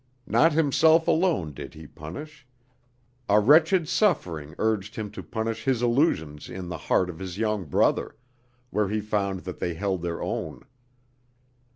Not himself alone did he punish; a wretched suffering urged him to punish his illusions in the heart of his young brother, where he found that they held their own.